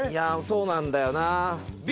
そうなんだよな。